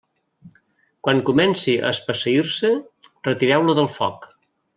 Quan comenci a espesseir-se, retireu-la del foc.